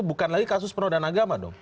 bukan lagi kasus penodaan agama dong